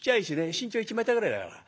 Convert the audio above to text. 身長１メーターぐらいだから。